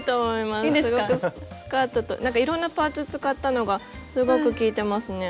なんかいろんなパーツ使ったのがすごく効いてますね。